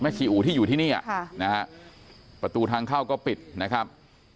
ชีอูที่อยู่ที่นี่นะฮะประตูทางเข้าก็ปิดนะครับ